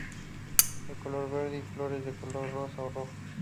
De color verde y flores de color rosa o rojo.